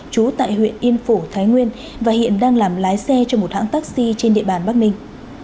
trú tại huyện yên phổ thái nguyên và hiện đang làm lái xe cho một hãng taxi trên địa bàn bắc ninh